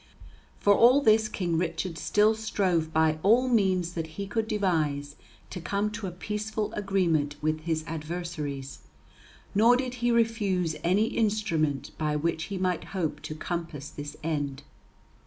For all this King Richard still strove by all means that he could devise to come to a peaceful agreement with his adversaries. Nor did he refuse any instrument by which he might hope to compass this end.